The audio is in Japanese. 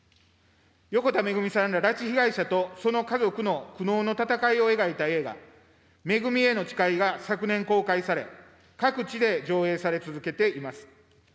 横田めぐみさんら拉致被害者と、その家族の苦悩の闘いを描いた映画、めぐみへの誓いが昨年公開され、各地で上映され続けています。